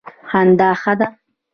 خندا ښه ده.